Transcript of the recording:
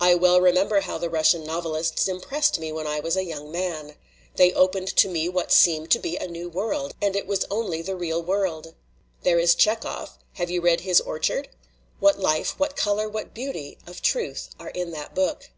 "I well remember how the Russian novelists impressed me when I was a young man. They opened to me what seemed to be a new world ^ and it was only the real world. There is Tcheckoff j have you read his Orchard? What life, what \ color, what beauty of truth are in that book!